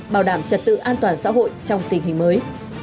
bảo đảm trật tự an toàn xã hội trong tình hình mới